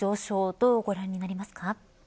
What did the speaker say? どうご覧になりますか。